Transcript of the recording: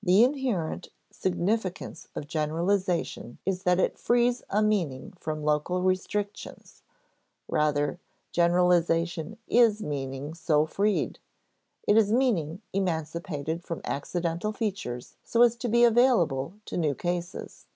The inherent significance of generalization is that it frees a meaning from local restrictions; rather, generalization is meaning so freed; it is meaning emancipated from accidental features so as to be available in new cases.